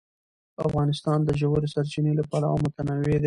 افغانستان د ژورې سرچینې له پلوه متنوع دی.